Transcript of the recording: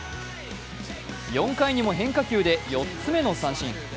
４回にも変化球で４つ目の三振。